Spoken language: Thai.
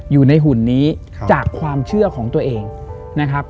อยู่ในหุ่นนี้จากความเชื่อของตัวเองนะครับ